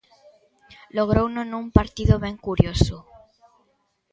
Logrouno nun partido ben curioso.